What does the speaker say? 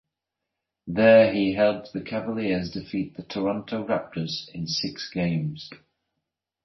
There he helped the Cavaliers defeat the Toronto Raptors in six games.